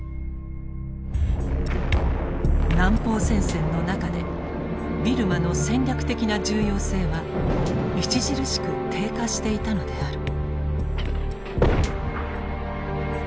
南方戦線の中でビルマの戦略的な重要性は著しく低下していたのである。